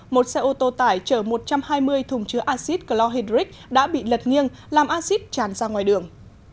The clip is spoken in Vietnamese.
một xe ô tô tải chở một trăm hai mươi thùng chứa acid chlorhydric đã bị lật nghiêng làm acid tràn ra ngoài đường